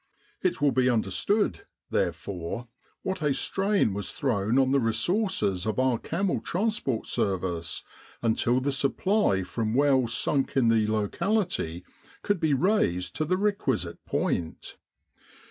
It will be understood, therefore, what a strain was thrown on the resources of our camel transport service until the supply from wells sunk in the locality could be raised to the requisite point.